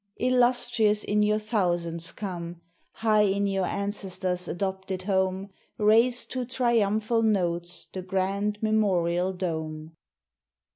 Illustrious in your thousands come! High in your ancestors' adopted home, Raise to triumphal notes the grand memorial dome.